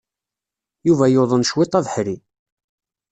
Yuba yuḍen cwiṭ abeḥri.